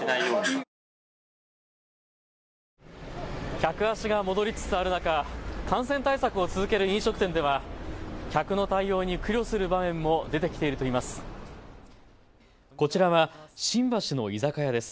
客足が戻りつつある中、感染対策を続ける飲食店では客の対応に苦慮する場面も出てきているといいます。